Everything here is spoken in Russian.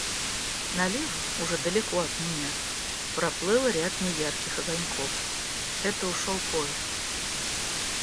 Налево, уже далеко от меня, проплыл ряд неярких огоньков — это ушел поезд.